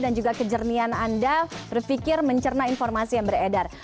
dan juga kejernian anda berpikir mencerna informasi yang beredar